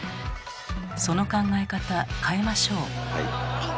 その考え方変えましょう。